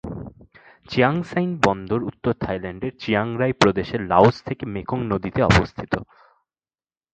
Chiang Saen বন্দর উত্তর থাইল্যান্ডের চিয়াং রাই প্রদেশের লাওস থেকে মেকং নদীতে অবস্থিত।